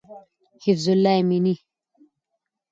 حفیظ الله امینی